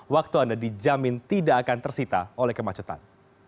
waktu anda dijamin tidak akan tersita oleh kemacetan